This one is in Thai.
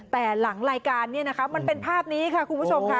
แต่หลังรายการเนี่ยนะคะมันเป็นภาพนี้ค่ะคุณผู้ชมค่ะ